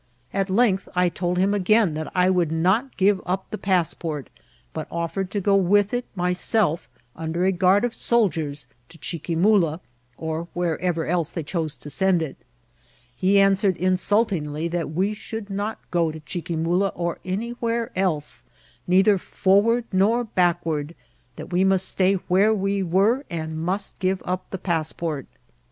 At length I told him again that I would not give up the passport, but offered to go with it myself, under a guard of soldiers, to Chiquimula, or wherever else they chose to send it ; he answered insultingly that we should not go to Chiquimula or anywhere else; neither forward nor backward ; that we must stay where we were, and must give up the pasi^>ort.